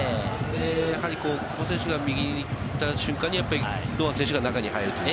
やはり久保選手が右に行った瞬間に、堂安選手が中に入る。